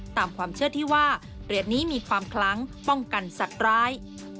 ตามความเชื่อที่ว่าเหรียญนี้มีความคลั้งป้องกันสัตว์ร้าย